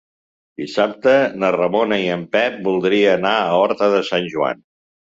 Dissabte na Ramona i en Pep voldria anar a Horta de Sant Joan.